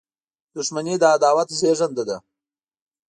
• دښمني د عداوت زیږنده ده.